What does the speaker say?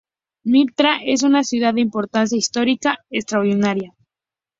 Nitra es una ciudad de importancia histórica extraordinaria.